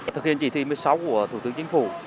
thực hiện chỉ thị một mươi sáu của thủ tướng chính phủ